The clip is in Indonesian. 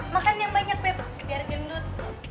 makan yang banyak beb biar gendut